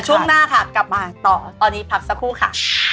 ช่วงหน้าค่ะกลับมาต่อตอนนี้พักสักครู่ค่ะ